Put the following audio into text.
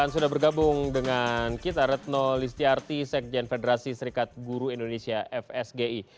dan sudah bergabung dengan kita retno listiarti sekjen federasi serikat guru indonesia fsgi